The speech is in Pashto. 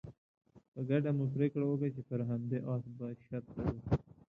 په ګډه مو پرېکړه وکړه چې پر همدې اس به شرط تړو.